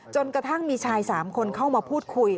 จนกระทั่งมีชาย๓คนเข้ามาพูดคุย